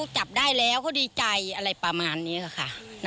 จะกลิ่นหลายคน